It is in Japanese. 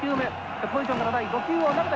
セットポジションから第５球を投げた。